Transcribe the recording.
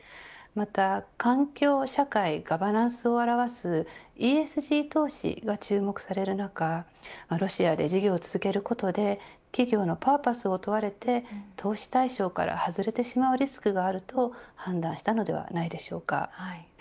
また環境、社会、ガバナンスを表すＥＳＧ投資が注目される中ロシアで事業を続けることで企業のパーパスを問われて投資対象から外れてしまうリスクがあると判断したのではないでしょうか。